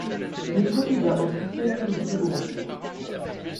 Il est candidat officiel sous le Second Empire.